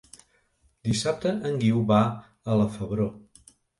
Dissabte en Guiu va a la Febró.